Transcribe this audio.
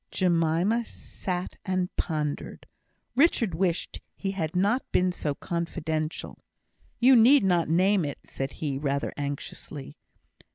Jemima sat and pondered. Richard wished he had not been so confidential. "You need not name it," said he, rather anxiously.